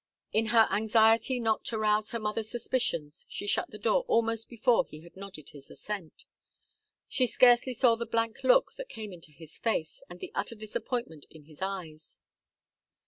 In her anxiety not to rouse her mother's suspicions, she shut the door almost before he had nodded his assent. She scarcely saw the blank look that came into his face, and the utter disappointment in his eyes.